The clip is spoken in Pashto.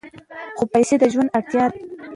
خو پیسې د ژوند اړتیا ده.